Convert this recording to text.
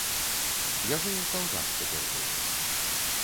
Яго ў калгас цяпер гоняць.